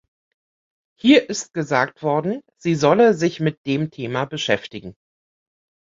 Hier ist gesagt worden, sie solle sich mit dem Thema beschäftigen.